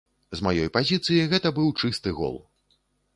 З маёй пазіцыі гэта быў чысты гол.